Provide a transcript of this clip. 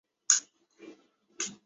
累官贵州巡抚。